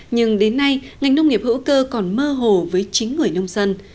nhưng đến nay ngành nông nghiệp hữu cơ còn mơ hồ với chính người nông dân